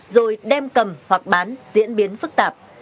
rồi đem cầm hoặc bán diễn biến phức tạp